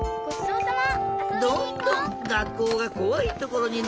どんどんがっこうがこわいところになりかけていた。